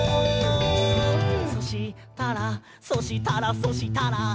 「そしたら、そしたら、そしたら」